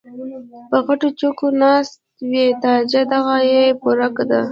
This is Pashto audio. پۀ غټو چوکــــو ناست وي تاجه دغه یې پوره ده